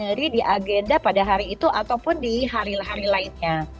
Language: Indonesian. atau di asianary di agenda pada hari itu ataupun di hari hari lainnya